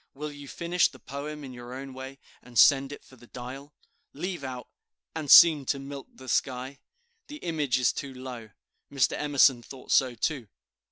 Will you finish the poem in your own way, and send it for the 'Dial'? Leave out "And seem to milk the sky." The image is too low; Mr. Emerson thought so too.